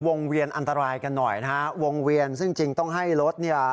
เวียนอันตรายกันหน่อยนะฮะวงเวียนซึ่งจริงต้องให้รถเนี่ย